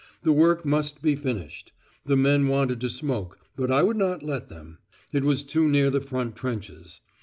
The work must be finished. The men wanted to smoke, but I would not let them; it was too near the front trenches.